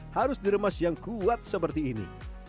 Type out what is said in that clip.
harus diremas yang kuat seperti ini